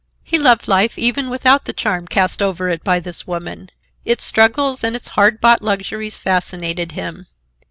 He loved life even without the charm cast over it by this woman. Its struggles and its hard bought luxuries fascinated him.